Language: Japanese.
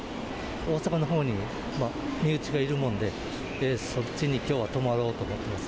大阪のほうに身内がいるもんで、そっちにきょうは泊まろうと思ってます。